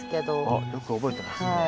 おっよく覚えてますね。